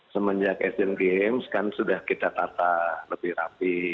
semenjak asian games kan sudah kita tata lebih rapi